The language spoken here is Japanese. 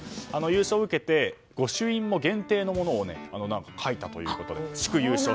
優勝を受けて御朱印も限定のものを書いたということで。